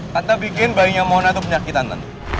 tante bikin bayinya mona tuh penyakit tante